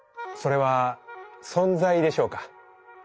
それは「存在」でしょうか？